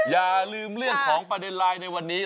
อย่าลืมเรื่องของประเด็นไลน์ในวันนี้